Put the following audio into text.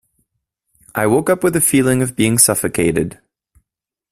I woke up with a feeling of being suffocated.